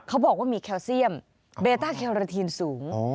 เขาบอกว่ามีแคลเซียมเบต้าแครอทีนสูง